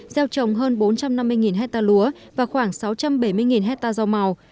gieo trồng hơn bốn trăm năm mươi ha lúa và khoảng sáu trăm bảy mươi ha rau màu